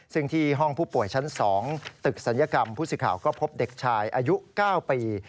ซึ่งที่ห้องผู้ป่วยชั้น๒ตึกศัลยกรรมผู้สื่อข่าวก็พบเด็กชายอายุ๙ปี